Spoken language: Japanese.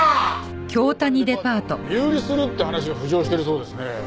京谷デパート身売りするって話が浮上してるそうですね。